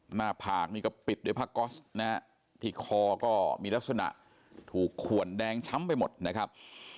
หน้าผากนี่ก็ปิดด้วยผ้าก๊อสนะฮะที่คอก็มีลักษณะถูกขวนแดงช้ำไปหมดนะครับ